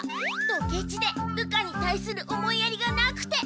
ドケチで部下に対する思いやりがなくて。